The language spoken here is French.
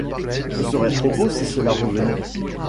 Ce serait trop beau si cela revenait.